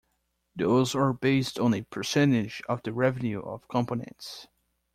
Dues are based on a percentage of the revenue of components.